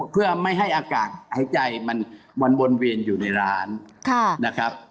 เพื่อไม่ให้อากาศหายใจมันวนเวียนอยู่ในร้านนะครับ